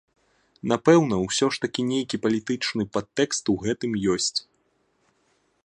Напэўна, усё ж такі нейкі палітычны падтэкст у гэтым ёсць.